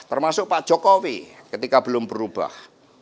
termasuk pak jokowi ketika belum berubah